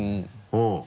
うん。